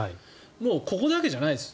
もうここだけじゃないです。